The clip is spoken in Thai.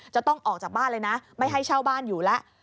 จะต้องออกจากบ้านเลยนะไม่ให้เช่าบ้านอยู่แล้ว